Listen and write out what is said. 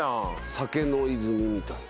酒の泉みたい。